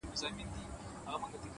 پوهه د پرمختګ لپاره وزرونه ورکوي!.